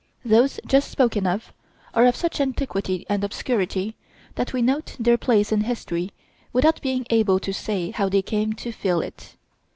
Those just spoken of are of such antiquity and obscurity, that we note their place in history without being able to say how they came to fill it.